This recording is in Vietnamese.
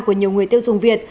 của nhiều người tiêu dùng việt